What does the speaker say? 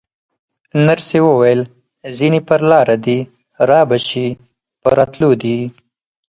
نرسې وویل: ځینې پر لاره دي، رابه شي، په راتلو دي.